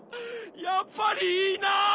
やっぱりいいなぁ。